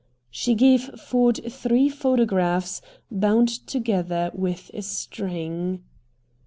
She gave Ford three photographs, bound together with a string.